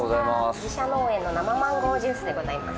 自社農園の生マンゴージュースでございます。